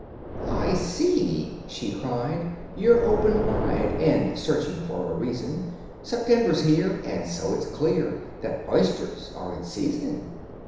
"I see," she cried, "you're open wide, And, searching for a reason, September's here, and so it's clear That oysters are in season."